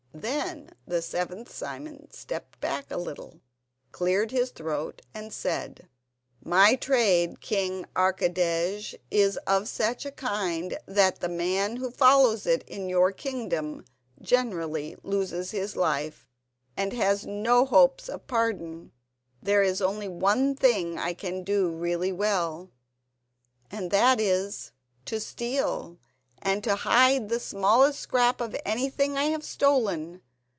Then the seventh Simon stepped back a little, cleared his throat, and said: "My trade, King Archidej, is of such a kind that the man who follows it in your kingdom generally loses his life and has no hopes of pardon. There is only one thing I can do really well, and that is—to steal, and to hide the smallest scrap of anything I have stolen.